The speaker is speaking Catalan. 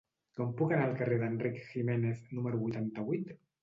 Com puc anar al carrer d'Enric Giménez número vuitanta-vuit?